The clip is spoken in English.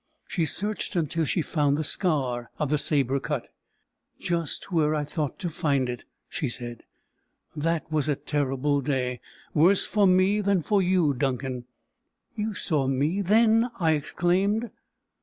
She searched until she found the scar of the sabre cut. "Just where I thought to find it!" she said. "That was a terrible day; worse for me than for you, Duncan." "You saw me then!" I exclaimed.